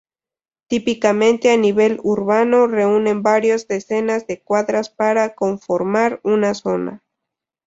Típicamente a nivel urbano, reúnen varias decenas de cuadras para conformar una zona.